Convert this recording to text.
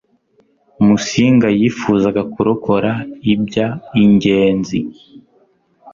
musinga yifuzaga kurokora iby ingenzi